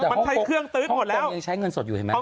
มันใช้เครื่องตื๊ดหมดแล้วยังใช้เงินสดอยู่เห็นไหม